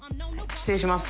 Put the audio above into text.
失礼します。